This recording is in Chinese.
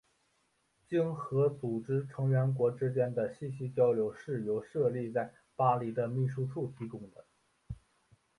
经合组织成员国之间的信息交流是由设立在巴黎的秘书处提供的。